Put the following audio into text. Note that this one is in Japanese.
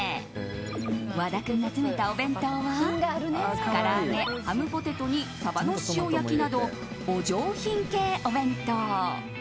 和田君が詰めたお弁当はから揚げ、ハムポテトにサバの塩焼きなどお上品系お弁当。